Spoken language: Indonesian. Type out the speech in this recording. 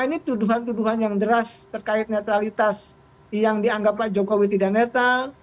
karena ini tuduhan tuduhan yang deras terkait netralitas yang dianggap pak jokowi tidak netal